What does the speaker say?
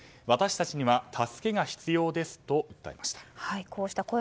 私たちには助けが必要ですと訴えました。